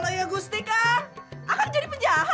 dua dua sini sini